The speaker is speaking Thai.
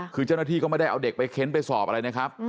คือเจ้าหน้าที่ก็ไม่ได้เอาเด็กไปเค้นไปสอบอะไรนะครับ